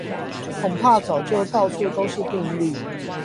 恐怕早就到處都是病例